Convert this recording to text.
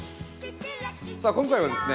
さあ今回はですね